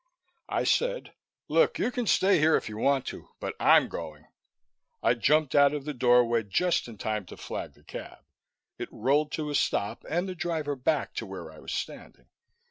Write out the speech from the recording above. I said, "Look, you can stay here if you want to, but I'm going." I jumped out of the doorway just in time to flag the cab; it rolled to a stop, and the driver backed to where I was standing.